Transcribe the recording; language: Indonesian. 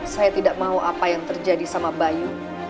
saya tidak mau apa yang terjadi sama bayu